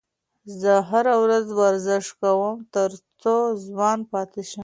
زه هره ورځ ورزش کوم تر څو ځوان پاتې شم.